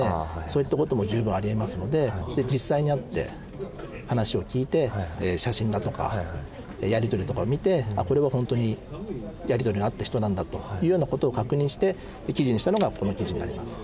そういったことも十分ありえますので実際に会って話を聞いて写真だとかやり取りとか見てこれは本当にやり取りのあった人なんだというようなことを確認して記事にしたのがこの記事になります。